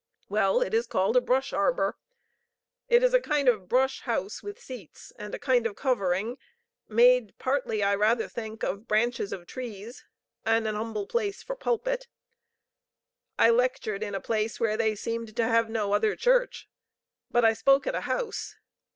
Well, it is called a brush arbor. It is a kind of brush house with seats, and a kind of covering made partly, I rather think, of branches of trees, and an humble place for pulpit. I lectured in a place where they seemed to have no other church; but I spoke at a house.